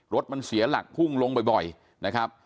รถมันเสียหลักพุ่งลงบ่อยนะครับ